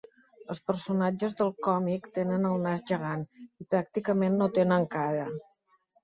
Els personatges del còmic tenen el nas gegant, i pràcticament no tenen cara.